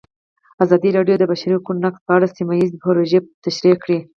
ازادي راډیو د د بشري حقونو نقض په اړه سیمه ییزې پروژې تشریح کړې.